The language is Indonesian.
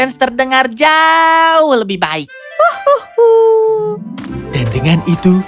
instead pertama saya membeli yang bagus dari tempat itu